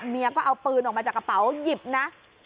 เมียก็เอาปืนออกมาจากกระเป๋าหยิบนะ